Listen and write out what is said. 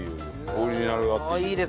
オリジナルがあっていい。